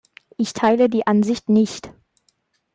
Ich teile die Ansicht nicht.